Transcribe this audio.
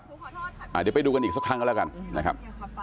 เดี๋ยวไปดูกันอีกสักครั้งกันแล้วกันนะครับ